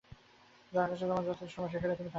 যাদের কাছে তোমার যথার্থ সম্মান সেইখানেই তুমি থাকো গে।